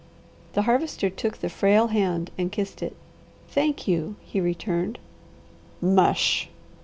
The Harvester took the frail hand and kissed it. "Thank you!" he returned. "Mush!"